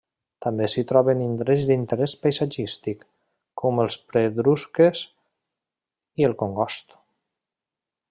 També s'hi troben indrets d'interès paisatgístic, com les Pedrusques i el Congost.